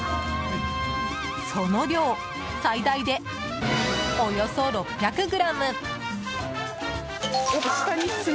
その量最大で、およそ６００ｇ。